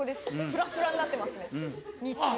フラッフラになってますね日中。